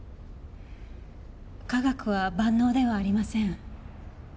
科学は万能ではありません。